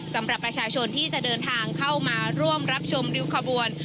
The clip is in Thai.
สำหรับประชาชนที่จะเดินทางเข้ามาร่วมรับชมริ้วขบวน